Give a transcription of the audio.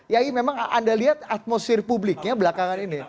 yai memang anda lihat atmosfer publiknya belakangan ini